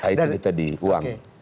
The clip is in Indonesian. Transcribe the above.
ini tadi uang